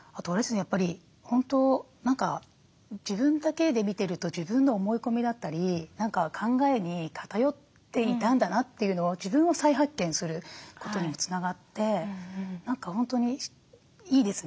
やっぱり本当何か自分だけで見てると自分の思い込みだったり考えに偏っていたんだなというのを自分を再発見することにもつながって何か本当にいいですね。